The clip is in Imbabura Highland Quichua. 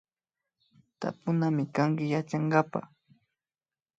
Tapunamikanki Yachankapak